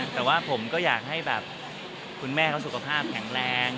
แต่ว่าผมก็อยากให้แบบคุณแม่เขาสุขภาพแข็งแรง